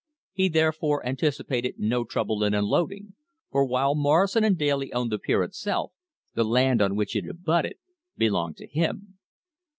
He therefore anticipated no trouble in unloading; for while Morrison & Daly owned the pier itself, the land on which it abutted belonged to him.